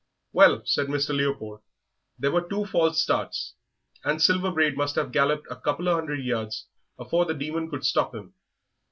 "Well," said Mr. Leopold, "there were two false starts, and Silver Braid must have galloped a couple of 'undred yards afore the Demon could stop him.